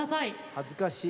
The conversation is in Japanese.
恥ずかしい。